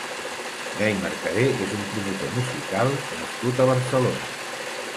Gay Mercader és un promotor musical nascut a Barcelona.